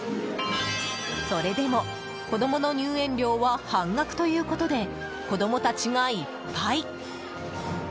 それでも子供の入園料は半額ということで子供たちがいっぱい。